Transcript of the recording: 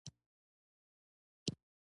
چې د ټولو ښېګړه اوشي -